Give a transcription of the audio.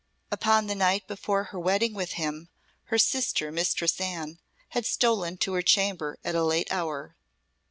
Upon the night before her wedding with him, her sister, Mistress Anne, had stolen to her chamber at a late hour.